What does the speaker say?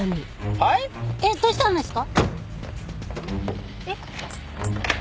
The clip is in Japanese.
えっどうしたんですか？